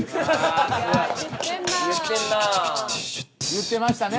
言ってましたね。